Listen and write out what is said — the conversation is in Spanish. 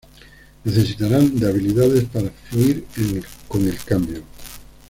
Necesitarán de habilidades para fluir con el cambio.